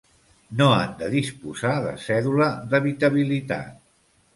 No han de disposar de cèdula d'habitabilitat.